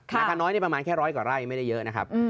ราคาน้อยประมาณแค่ร้อยกว่าไร่ไม่ได้เยอะนะครับ